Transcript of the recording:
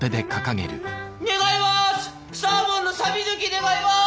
願います！